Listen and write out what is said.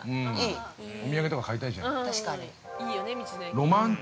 ◆お土産とか買いたいじゃん。